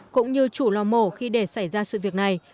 cũng như chủ lò mổ khi để xảy ra sự việc này